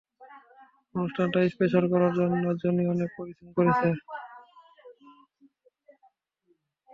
অনুষ্ঠানটা স্পেশাল করার জন্য জনি অনেক পরিশ্রম করেছে।